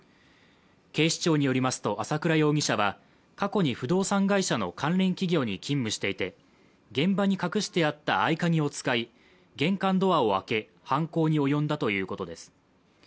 警視庁によりますと朝倉容疑者は過去に不動産会社の関連企業に勤務していて、現場に隠してあった合鍵を使い、玄関ドアを開け、犯行に及んだということです。